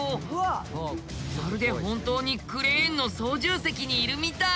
まるで本当にクレーンの操縦席にいるみたい。